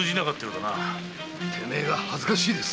てめえが恥ずかしいです。